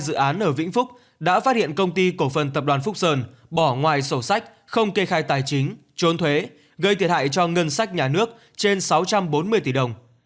dự án ở vĩnh phúc đã phát hiện công ty cổ phần tập đoàn phúc sơn bỏ ngoài sổ sách không kê khai tài chính trốn thuế gây thiệt hại cho ngân sách nhà nước trên sáu trăm bốn mươi tỷ đồng